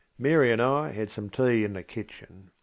Mary and I had some tea in the kitchen.